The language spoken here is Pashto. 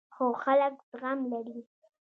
خو خلک زغم لري.